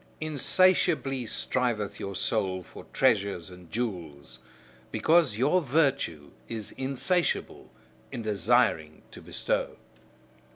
Insatiably striveth your soul for treasures and jewels, because your virtue is insatiable in desiring to bestow.